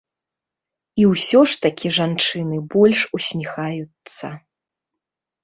І ўсё ж такі жанчыны больш усміхаюцца.